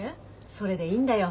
それでいいんだよ。